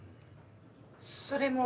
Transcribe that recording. それも。